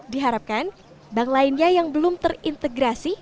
diharapkan bank lainnya yang belum terintegrasi